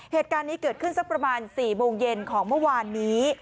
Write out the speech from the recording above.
เหตุการณ์นี้เกิดขึ้นสักประมาณ๔โมงเย็นของเมื่อวานนี้